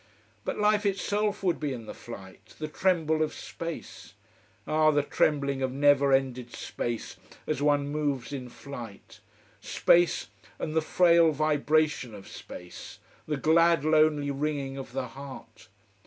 _ but life itself would be in the flight, the tremble of space. Ah the trembling of never ended space, as one moves in flight! Space, and the frail vibration of space, the glad lonely wringing of the heart.